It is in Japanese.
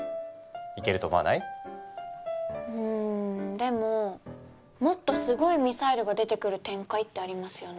でももっとすごいミサイルが出てくる展開ってありますよね？